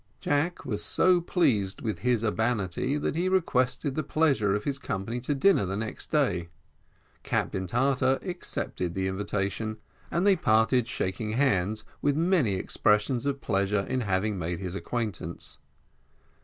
Jack was so pleased with his urbanity that he requested the pleasure of his company to dinner the next day: Captain Tartar accepted the invitation, and they parted, shaking hands, with many expressions of pleasure in having made his acquaintance.